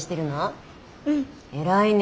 偉いね。